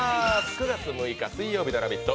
９月６日水曜日の「ラヴィット！」